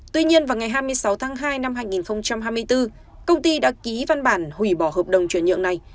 tuy nhiên vào ngày hai mươi sáu tháng hai năm hai nghìn hai mươi bốn công ty đã ký văn bản hủy bỏ hợp đồng chuyển nhượng này